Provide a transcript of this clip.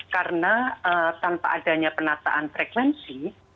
karena tanpa adanya penataan frekuensi